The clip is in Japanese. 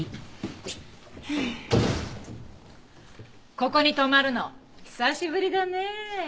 ここに泊まるの久しぶりだねえ。